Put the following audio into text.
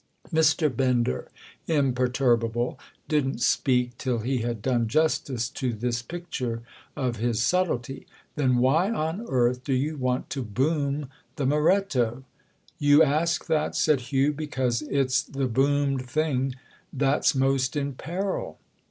Mr. Bender, imperturbable, didn't speak till he had done justice to this picture of his subtlety. "Then, why on earth do you want to boom the Moretto?" "You ask that," said Hugh, "because it's the boomed thing that's most in peril."